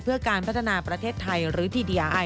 เพื่อการพัฒนาประเทศไทย